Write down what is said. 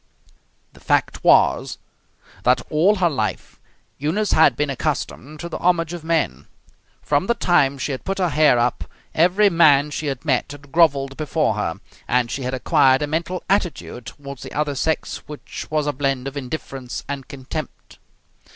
The fact was that, all her life, Eunice had been accustomed to the homage of men. From the time she had put her hair up every man she had met had grovelled before her, and she had acquired a mental attitude toward the other sex which was a blend of indifference and contempt.